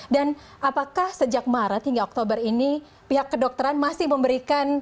dan apakah sejak maret hingga oktober ini pihak kedokteran masih memberikan